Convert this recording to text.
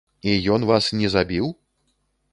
І ён вас не забіў?